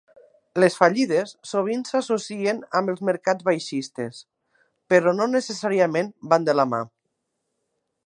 Les fallides sovint s'associen amb els mercats baixistes, però no necessàriament van de la mà.